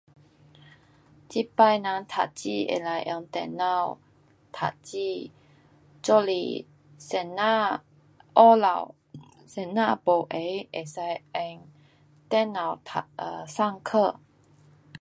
这次人读书可以用电脑读书，就是先生下午先生没闲，可以用电脑读，啊上课。